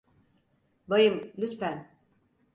Bayım, lütfen.